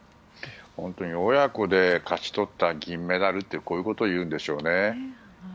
本当に親子で勝ち取った銀メダルってこういうことをいうんでしょうね。